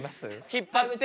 引っ張って。